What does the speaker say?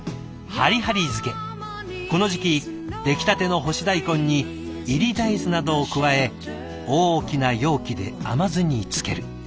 この時期出来たての干し大根に煎り大豆などを加え大きな容器で甘酢に漬ける。